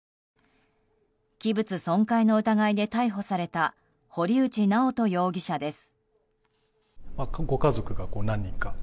器物損壊の疑いで逮捕された堀内直人容疑者です。